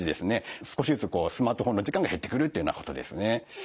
少しずつスマートフォンの時間が減ってくるっていうようなことですね。